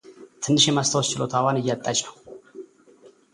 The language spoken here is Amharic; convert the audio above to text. ትንሽ የማስታወስ ችሎታዋን እያጣች ነው።